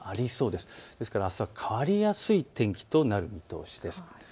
ですから、あすは変わりやすい天気となる見通しです。